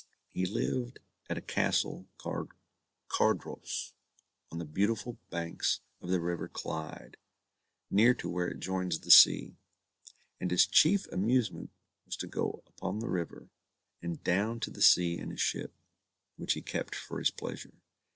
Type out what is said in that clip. He lived at a castle called Cardross, on the beautiful banks of the river Clyde, near to where it joins the sea; and his chief amusement was to go upon the river, and down to the sea in a ship, which he kept for his pleasure.